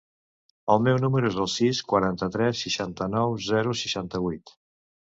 El meu número es el sis, quaranta-tres, seixanta-nou, zero, seixanta-vuit.